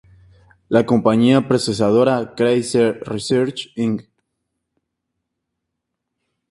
La compañía predecesora, Cray Research, Inc.